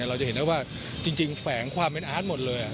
เราจะเห็นได้ว่าจริงแฝงความเป็นอาร์ตหมดเลย